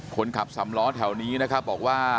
คนขับสำล้อแถวนี้บอกว่า